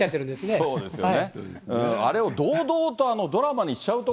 そうですね。